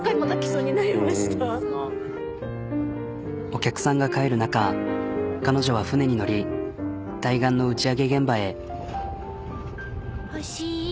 お客さんが帰る中彼女は船に乗り対岸の打ち上げ現場へ。